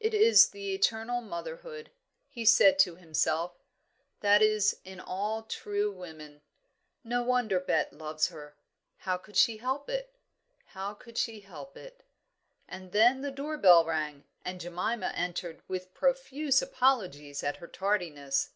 "It is the eternal motherhood," he said to himself, "that is in all true women. No wonder Bet loves her. How could she help it? how could she help it?" And then the door bell rang, and Jemima entered with profuse apologies at her tardiness.